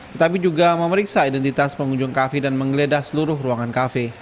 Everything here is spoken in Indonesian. tetapi juga memeriksa identitas pengunjung kafe dan menggeledah seluruh ruangan kafe